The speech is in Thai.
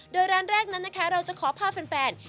โดยร้านแรกนั้นนะคะเราจะขอพาแฟน